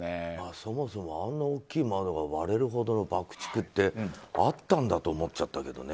そもそも、あんな大きい窓が割れるほどの爆竹ってあったんだと思っちゃったけどね。